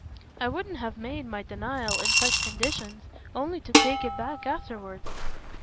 "I wouldn't have made my denial, in such conditions, only to take it back afterwards."